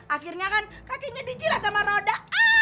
akhirnya kan kakinya dijilat sama roda